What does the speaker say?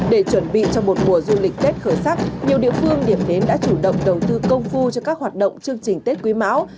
để chuẩn bị cho một mùa du lịch tết khởi sắc nhiều địa phương điểm đến đã chủ động đầu tư công phu cho các hoạt động chương trình tết quý mão